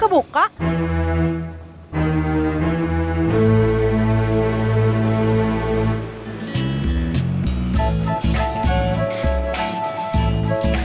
kedihkan lumac unitawai